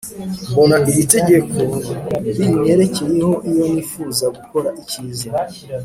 Mbona iri tegeko rinyerekeyeho iyo nifuza gukora icyiza